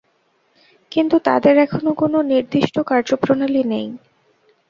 কিন্তু তাঁদের এখনও কোন নির্দিষ্ট কার্যপ্রণালী নেই।